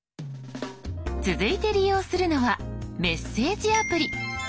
続いて利用するのはメッセージアプリ。